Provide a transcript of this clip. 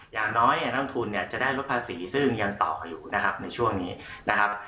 อย่างน้อยเนี่ยนักทุนเนี่ยจะได้ลดภาษีซึ่งยังต่อเขาอยู่นะครับในช่วงนี้นะครับ